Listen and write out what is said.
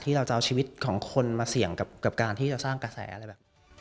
เราจะเอาชีวิตของคนมาเสี่ยงกับการที่จะสร้างกระแสอะไรแบบ